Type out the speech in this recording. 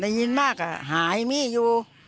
นายยินมากอะหายมีอยู่